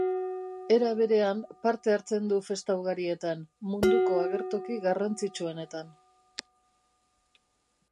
Era berean parte hartzen du festa ugarietan, munduko agertoki garrantzitsuenetan.